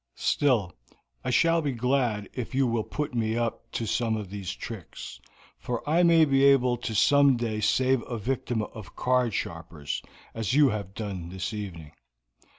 Still, I shall be glad if you will put me up to some of these tricks, for I may be able to some day save a victim of card sharpers, as you have done this evening."